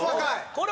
これ。